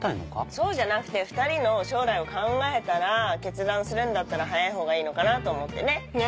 そうじゃなくて２人の将来を考えたら決断するんだったら早いほうがいいのかなと思ってね？ね！